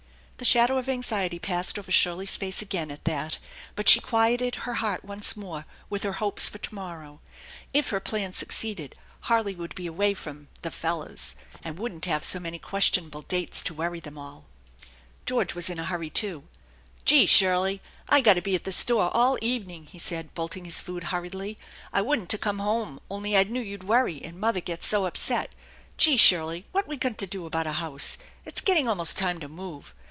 The shadow of anxiety passed over Shirley's face again at that, but she quieted her heart once more with her hopes for to morrow. If her plan succeeded, Harley would be away from " the fellas," and wouldn't have so many questionable " dates * to worry them all. 38 THE ENCHANTED BARN George was in a hurry, too. " Gee, Shirley, I gotta be at the store all evening," he said, bolting his food hurriedly. " I wouldn't 'a' come home, only I knew you'd worry, and mother gets so upset. Gee, Shirley, what we gonta do about a house ? It's getting almost time to move.